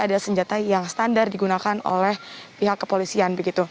ada senjata yang standar digunakan oleh pihak kepolisian